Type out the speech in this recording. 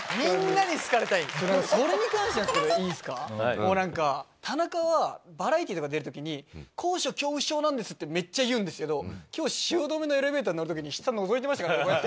もう何か田中はバラエティーとか出る時に。ってめっちゃ言うんですけど今日汐留のエレベーター乗る時に下のぞいてましたからね。